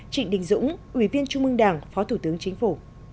trịnh đình dũng ủy viên trung mương đảng phó thủ tướng chính phủ